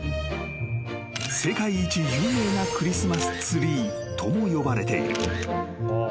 ［世界一有名なクリスマスツリーとも呼ばれている］